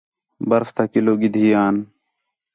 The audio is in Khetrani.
برف تا کِلو گِھدی آن